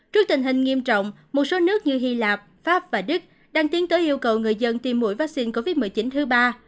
trước tình hình nghiêm trọng một số nước như hy lạp pháp và đức đang tiến tới yêu cầu người dân tiêm mũi vaccine covid một mươi chín thứ ba